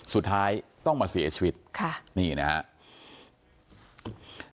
สุดท้ายต้องมาเสียชีวิตค่ะนี่นะครับ